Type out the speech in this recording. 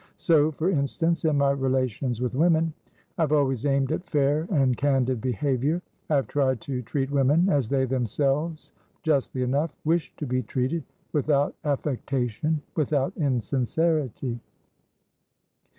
So, for instance, in my relations with women I have always aimed at fair and candid behaviour; I have tried to treat women as they themselves, justly enough, wish to be treated, without affectation, without insincerity.